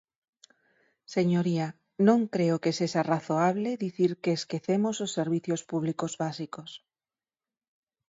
Señoría, non creo que sexa razoable dicir que esquecemos os servizos públicos básicos.